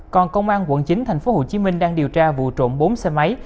còn công an quận chín tp hcm đang điều tra vụ trộm bốn xe máy